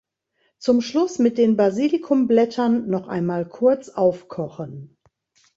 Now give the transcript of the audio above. Zum Schluss mit den Basilikum-Blättern noch einmal kurz aufkochen.